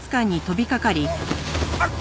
あっ！